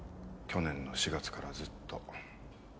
去年の４月からずっと。